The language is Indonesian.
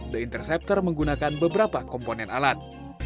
the intercepter menggunakan beberapa komponen alat